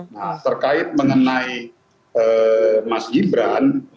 nah terkait mengenai mas gibran